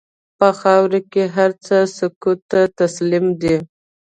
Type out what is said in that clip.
په خاوره کې هر څه سکوت ته تسلیم دي.